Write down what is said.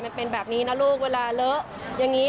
มันเป็นแบบนี้นะลูกเวลาเลอะอย่างนี้